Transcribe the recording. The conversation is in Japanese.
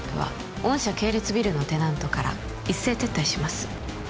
御社系列ビルのテナントから一斉撤退します